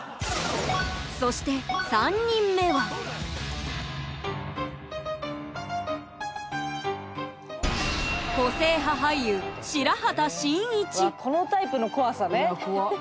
そして３人目はわっこのタイプの怖さね。